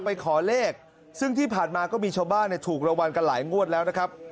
ไปขอเลขซึ่งที่ผ่านมาก็มีชาวบ้านถูกรางวัลกันหลายงวดแล้วนะครับ